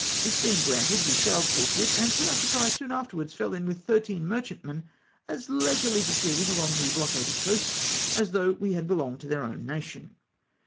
This being granted, we sailed forthwith, and to our surprise soon afterwards fell m with thirteen merchantmen, as leisurely proceeding along the blockaded coast as though we had belonged to their own nation